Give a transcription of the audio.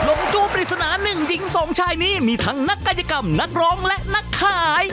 ลงจู้ปริศนาหนึ่งหญิงสองชายนี้มีทั้งนักกายกรรมนักร้องและนักขาย